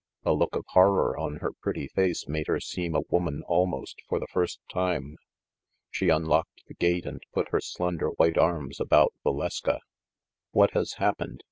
A look of horror on her pretty face made her seem a woman almost for the first time. She unlocked the gate and put her slender white arms about Valeska. "What has happened?"